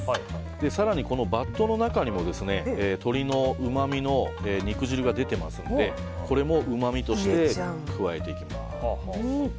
更にこのバットの中にも鶏のうまみの肉汁が出ていますのでこれもうまみとして加えていきます。